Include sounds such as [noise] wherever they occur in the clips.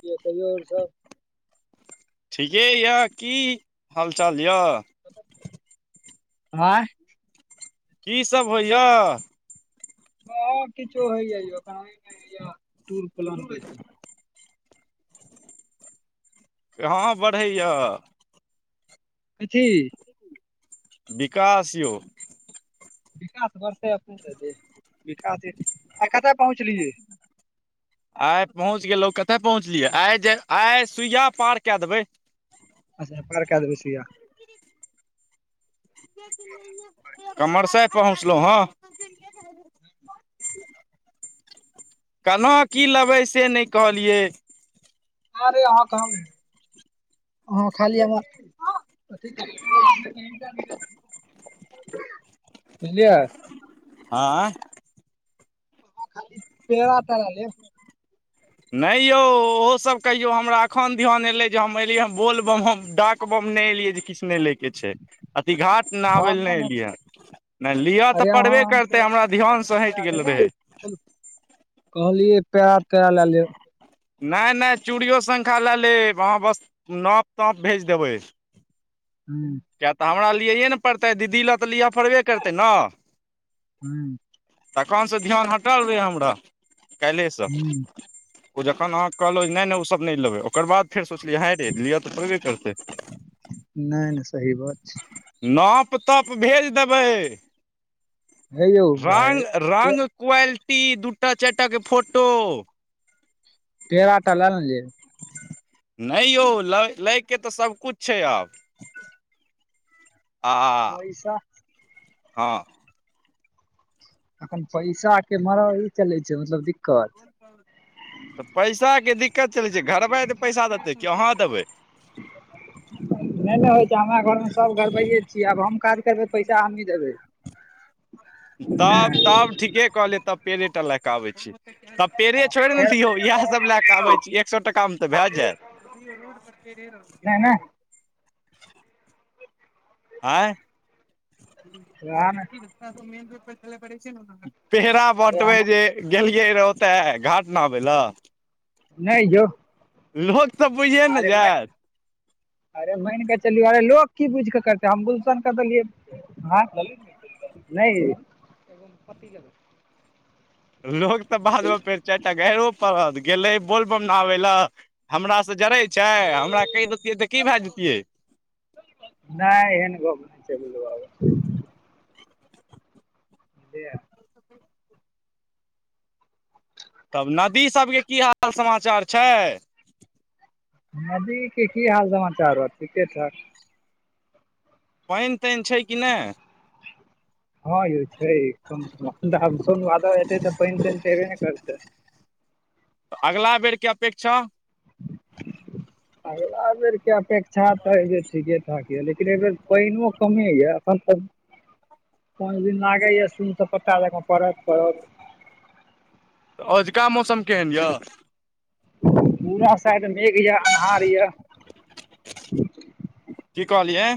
किये, कनिये हम सब। ठीके ये। की हालचाल य। आँ। की सब होइए। हँ किछो होइयख टूर प्ल। हँ बढ़ैए। कथी। विकास यौ विकास बढ़तै अपनेसँ विकास आइ कतऽ पहुँचलियै आइ पहुँच गेलहुँ कतय पहुँचलियै आइ जे आइ सुइया पार क देबै। अच्ा पारक दबै सुू यह। कमरसे पहुँचलहु हँं। ह। केना की लेबै से नहि कहलियै। अरे हहाँ कहाँ। ह खाली हम बुझलियै आँ खाली पेड़ त रहलल नहि यौ ओहोसभ कहियौ हमरा एखन ध्यान एलै जे हम एलियै बोलबम हम डाक बम नहि एलियै जे किछु नहि लै के छै। अति घाट नहाबै लए हमे नहि ने एलियै नहि लिअ अरे तऽ अहाँ पड़बे हम करते हमरा ध्यान से हटि गेल रहे। कहबै कहलियै पैड़ा तैराा लए लेब नहि नहि चूड़ियो शङ्खा लऽ लेब अहाँ बस नाप ताप भेज देबै। हू किएक तऽ हमरा लियैए ने पड़तै दीदी लए तऽ लिअ पड़बे करतै ने। हूँ तखनसँ ध्यान हटल रहै। हमरा काल्हिसँ हूँ ओ जखन अहाँ कहलहुँ नहि नहि ओ सब नहि लेबै ओकर बाद फेर सोचलियै ह रे लिअ तऽ पड़बे करतै। नहि नहि सही बात छै नाप तप भेज देबै हे यौ भाय रंग रंग क्वालिटी दूटा चारि टाके फोटो पेराटा लए नेलियै नहि यौ ल लैके तऽ सबकिछु छै। आब आ पैसा हँ एखन पैसा के मर ई चलै छै। मतलब दिक्कत तऽ पैसाके दिक्कत चलै छै। घरबै तऽ पैसा देतै कहाँ देबै [inaudible] नहि ने होइ छै। हमरा घरमे सब गड़बैये छियै आब हम काज करबै पैसा हमहीँ देबै हँ तब तब ठीके कॉले तब पेड़ेटा लए के आबै छी। त पेड़े छोड़ दे फेर ने यौ नहि इएह सब लए कऽब छी। एक सए टका मे तऽ भए जायत रो बते रह नहि आँय वएह ने र रोड छै। पेरा अरे बटबै हम जे गेलियै रहऽ ओतेऽ घाट नहाबय लअ। नै यौ। लोक तऽ बुइझये ने अरे मै जेएत। अरे मैन कऽ चलियौ अरे लोक की बुइझ कऽ करतेै हम गुलशन के दलियै। आय नै लोक तऽ बादमे फेर चैरटा गैरो पड़हत गेलै बोलबम नहबै लए। हमरासँ सँ जड़ै छै हमरा कैह देतियै तऽ की भए जैतियै। नहि एहन गप नै छै बोलू बाब। इया तब नदी सब के की हाल समाचार छै। नदी के की हाल समाचार रहतै ठीके ठाक। पैन- तैन छै कि नैय। हँ यौ छै कम आ हेतै तऽ पैन- तैन तऽ हेबे ने करतै। अगला बेर के अपेक्षा। अगिला बेरके अपेक्षा तऽ एहि जे ठीके ठाक या लेकिन एहि बेर पैनोओ कमे या। पाँच दिन लागैया सुन सपटा जिंदा पड़ल-पड़ल। ओजका मौसम केहन यअ। पूरा साइड मेघ यऽ अन्हार यऽ। की कहलियै।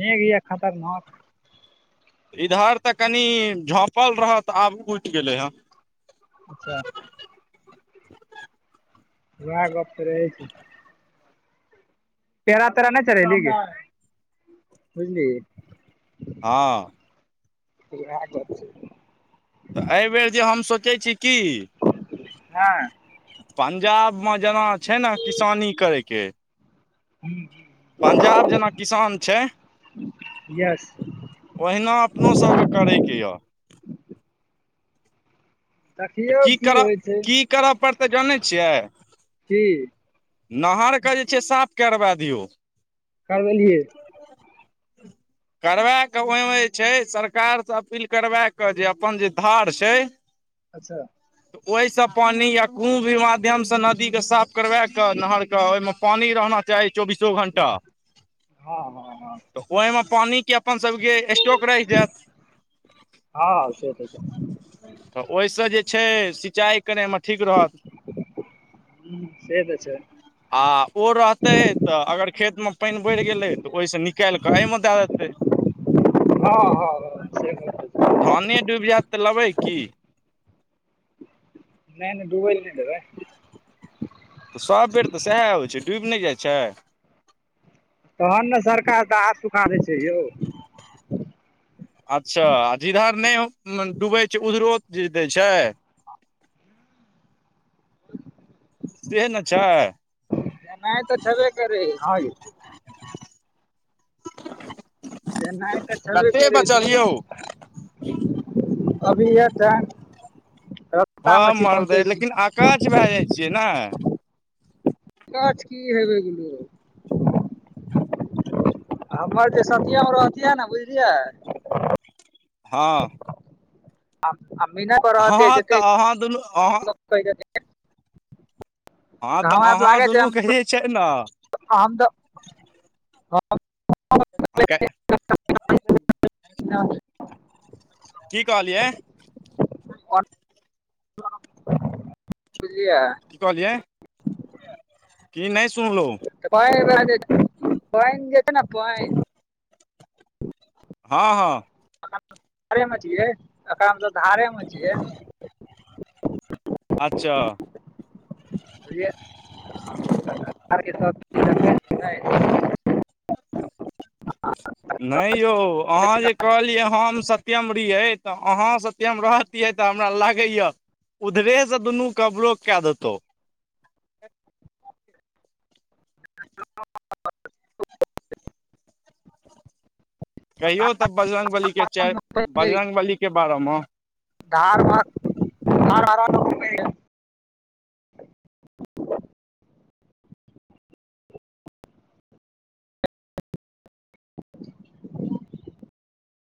मेघ यऽ खतरनाक। इधर तऽ कनि झपल रहत तऽ आब उइठ गेलै हँ। अच्छा वएह गप तऽ रहै छै। पेरा तेरा नै चड़हेलही गे बुझलिही। हँ। इएह गप छै। तऽ अयबेर जे हम सोचै छी की। हँ। पंजाब मे जेना छै ने किसानी करैय के। हुँ हँ। पंजाब जेना किसान छै। यस ओहिना अपनो सब के करैके या। देखियौ की करऽ होइ छै की करऽ पड़तै जानै छियै। की नहरके जे छै साफ केरबा दियौ। करबेलियै। करबा के ओय मे जे छै सरकार से अपील करबा कऽ जे अपन जे धार छै। अच्छा ओय सऽ पानी या कोनो भी माध्यम सऽ नदी के साफ करवा के नहर के ओय मे पानी रहना। चाही चौबीसो घंटा हँ हँ हँ तऽ ओय मे पानी अपन सबके स्टोक रैह हँ जेएत। से तऽ छै तऽ ओय सँ जे छै सिंचाइ करैय मे ठीक रहत। से तऽ छै। आ ओ रहतै तऽ अगर खेत मे पइन बैड़ गेलै तऽ ओहिसँ निकैल कऽ औय मे दए देतै हँ हँ हँ से बात तऽ छै धाने डूबि जैत तऽ लेबै की? नै -नै डूबैल नै देबै। तऽ सब बेर तऽ सएह होइ छै, डूबि नहि जाइ छै? तहन ने सरकार दहा सुखा दै छै यौ। अच्छा आ जिधर नहि डूबै छै, उधरो दै छै? सेहे ने छै। देनाइ तऽ छबे करै ह [inaudible] [inaudible] देनाय तऽ छबे कते करै छै बचल यौ सबके अभी ये टा हँ मरदै लेकिन आकछ भए जाइ छियै ने? अकछ की हेबै गलो? हमर जे सतियम रहतियै ने बुझलियै? हँ अी नहि कर हत हँ तऽ अहाँ दुनू अहाँ [unintelligible] हँ तऽ अहाँ दुनू कहैे छै ने? आ हँ [unintelligible] ह [unintelligible] की कहलियै? बुझलियै? की कहलियै, की नहि सुनलहु? करै है [unintelligible] अय बेरा जे पइन जे है ने पइन। हँ हँ धारेमे छियै। एकरामे त धारेमे छियै। अच्छा। बझलियैज। [unintelligible] नहि यौ अहाँ जे कहलियै हम सत्यम रहियै। तऽ अहाँ सत्यम रहत तऽ हमरा लागै या उधरे से दुनू के बरोक कए देतौ। [unintelligible] कहियौ तब बजरङ्ग बलीके चेर बजरङ्ग बलीके बारेमे धार ध [unintelligible]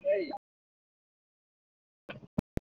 नहि। [inaudible]